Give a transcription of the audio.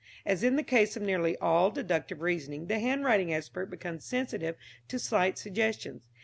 As in the case of nearly all deductive reasoning the handwriting expert becomes sensitive to slight suggestions.